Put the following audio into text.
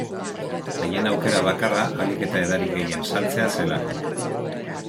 Haien aukera bakarra ahalik eta edari gehien saltzea zelako.